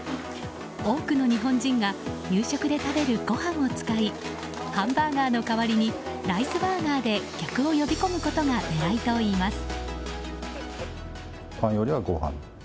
多くの日本人が夕食で食べるご飯を使いハンバーガーの代わりにライスバーガーで客を呼び込むことが狙いといいます。